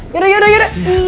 yaudah yaudah yaudah